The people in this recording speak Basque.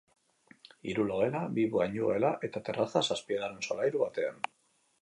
Hiru logela, bi bainugela eta terraza, zazpigarren solairu batean.